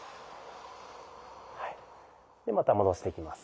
でまた戻していきます。